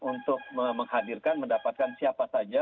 untuk menghadirkan mendapatkan siapa saja